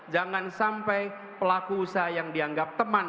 jangan sampai pelaku usaha yang dianggap teman